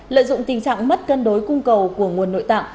lợi dụng tình trạng mất cân đối cung cầu của nguồn nội tạng